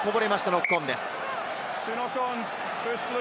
ノックオンです。